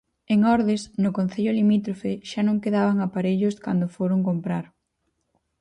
En Ordes, no concello limítrofe, xa non quedaban aparellos cando o foron comprar.